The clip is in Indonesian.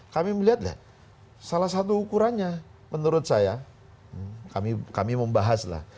kami melihat lihat salah satu ukurannya menurut saya kami membahas lah